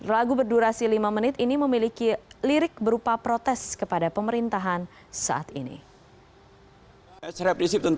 lagu berdurasi lima menit ini memiliki lirik berupa protes kepada pemerintahan saat ini